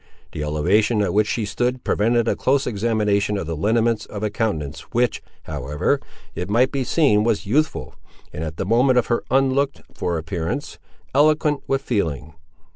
The elevation at which she stood prevented a close examination of the lineaments of a countenance which, however, it might be seen was youthful, and, at the moment of her unlooked for appearance, eloquent with feeling.